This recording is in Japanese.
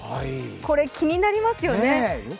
これ気になりますよね。